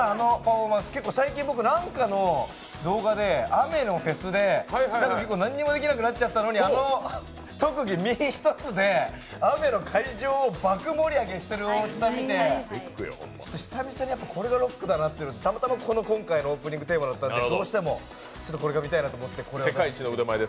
あのパフォーマンス、雨のフェスで何にもできなくなっちゃったのに、あの特技、身一つで雨の会場を爆盛り上がりしている大地さんをみて、久々にこれがロックだなって今回のオープニングテーマ見てどうしてもちょっとこれが見たいなと思って。